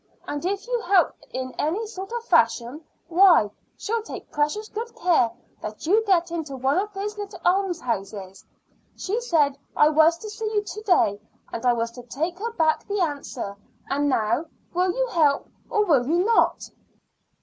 And if you help in any sort of fashion, why, she'll take precious good care that you get into one of those little almshouses. She said I was to see you to day, and I was to take her back the answer. And now, will you help or will you not?"